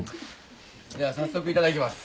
じゃあ早速いただきます。